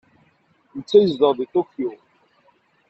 Netta yezdeɣ deg Tokyo.